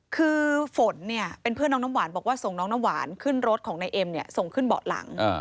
คือฝนเนี่ยเป็นเพื่อนน้องน้ำหวานบอกว่าส่งน้องน้ำหวานขึ้นรถของนายเอ็มเนี่ยส่งขึ้นเบาะหลัง